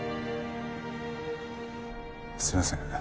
すいません。